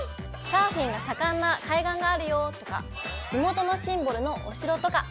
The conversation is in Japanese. サーフィンが盛んな海岸があるよとか地元のシンボルのお城とか。